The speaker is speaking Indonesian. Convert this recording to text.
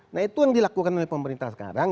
nah itu yang dilakukan oleh pemerintah sekarang